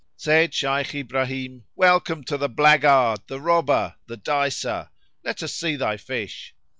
Said Shaykh Ibrahim, "Welcome to the blackguard, the robber, the dicer! Let us see thy fish."